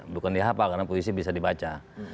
bukan dihapal karena puisi bisa dibaca